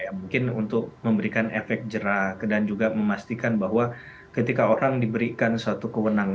ya mungkin untuk memberikan efek jerak dan juga memastikan bahwa ketika orang diberikan suatu kewenangan